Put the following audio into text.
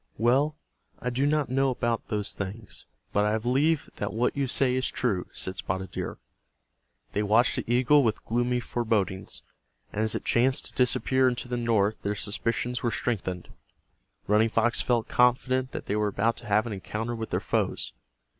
"Well, I do not know about those things, but I believe that what you say is true," said Spotted Deer. They watched the eagle with gloomy forebodings, and as it chanced to disappear into the north their suspicions were strengthened. Running Fox felt confident that they were about to have an encounter with their foes.